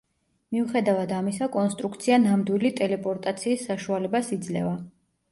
მიუხედავად ამისა, კონსტრუქცია ნამდვილი ტელეპორტაციის საშუალებას იძლევა.